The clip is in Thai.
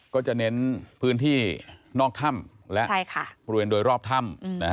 ก็จะเน้นพื้นที่นอกถ้ำและบริเวณโดยรอบถ้ำ